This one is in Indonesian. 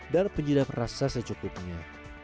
dan penjidap rasa secukupnya